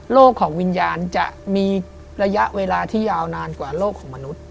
ของวิญญาณจะมีระยะเวลาที่ยาวนานกว่าโลกของมนุษย์